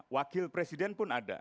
wakil presiden pun ada